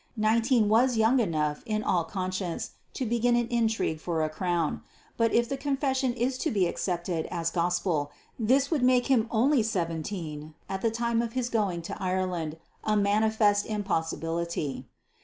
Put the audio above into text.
Nineteen was young enough in all conscience to begin an intrigue for a crown; but if the Confession is to be accepted as gospel this would make him only seventeen at the time of his going to Ireland a manifest impossibility.